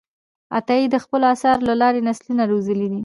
عطایي د خپلو آثارو له لارې نسلونه روزلي دي.